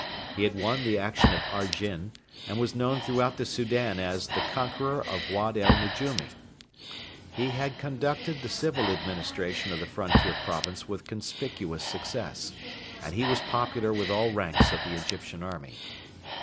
He had won the action of Argin, and was known throughout the Soudan as 'the conqueror of Wad el Nejumi.' He had conducted the civil administration of the frontier province with conspicuous success, and he was popular with all ranks of the Egyptian army.